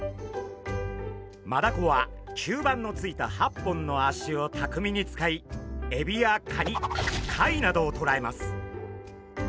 マダコは吸盤のついた８本の足をたくみに使いエビやカニ貝などをとらえます。